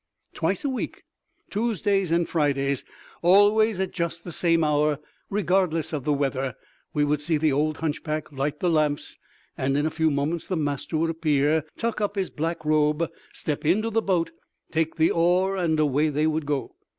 Twice a week, Tuesdays and Fridays—always at just the same hour, regardless of the weather—we would see the old hunchback light the lamps, and in a few moments the Master would appear, tuck up his black robe, step into the boat, take the oar and away they would go.